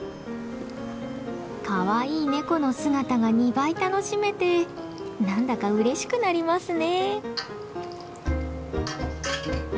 かわいいネコの姿が２倍楽しめて何だかうれしくなりますね。